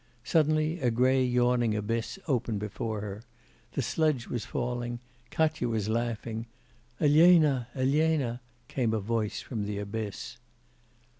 '... Suddenly a grey, yawning abyss opened before her. The sledge was falling, Katya was laughing. 'Elena, Elena!' came a voice from the abyss.